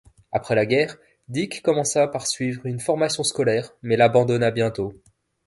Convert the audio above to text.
Après la guerre, Dick commença par suivre une formation scolaire, mais l'abandonna bientôt.